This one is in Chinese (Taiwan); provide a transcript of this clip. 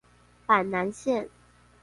板南線